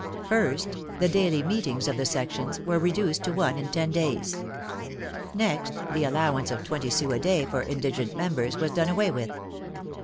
First, the daily meetings of the sections were reduced to one in ten days. Next, the allowance of twenty sous a day for indigent members was done away with.